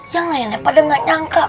yang lainnya pada nggak nyangka